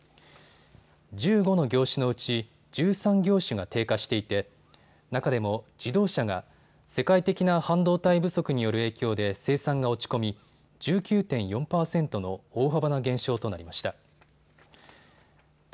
１５の業種のうち１３業種が低下していて中でも自動車が世界的な半導体不足による影響で生産が落ち込み１９．４％の大幅な減少となりました。